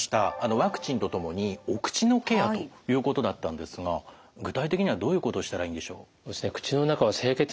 ワクチンと共にお口のケアということだったんですが具体的にはどういうことをしたらいいんでしょう？